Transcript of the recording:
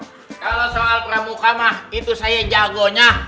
kalau soal pramuka mah itu saya jagonya